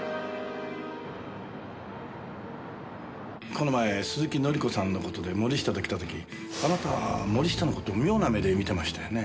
この前鈴木紀子さんの事で森下と来た時あなた森下の事妙な目で見てましたよね？